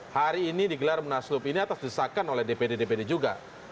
hari ini digelar munaslup ini atas desakan oleh dpd dpd juga